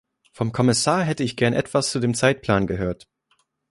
Vom Kommissar hätte ich gern etwas zu dem Zeitplan gehört.